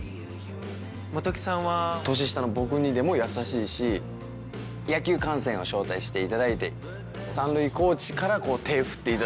元木さんは。年下の僕にでも優しいし野球観戦を招待していただいて三塁コーチからこう手振っていただいて。